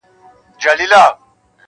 • پټ یې څنګ ته ورنیژدې سو غلی غلی -